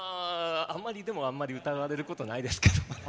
でも、あんまり歌われることないですけど。